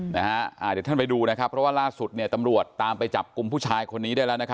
เดี๋ยวท่านไปดูนะครับเพราะว่าล่าสุดตำรวจตามไปจับกลุ่มผู้ชายคนนี้ได้แล้ว